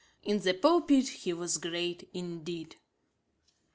In the pulpit he was great indeed.'